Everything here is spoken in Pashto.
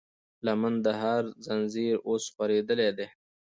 لمن د هر زنځير اوس خورېدلی دی